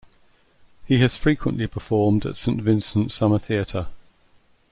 He has frequently performed at Saint Vincent Summer Theatre.